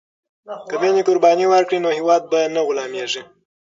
که میندې قرباني ورکړي نو هیواد به نه غلامیږي.